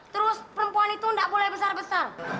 terus perempuan itu tidak boleh besar besar